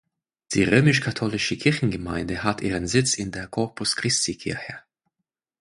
Die römisch-katholische Kirchengemeinde hat ihren Sitz in der Corpus-Christi-Kirche.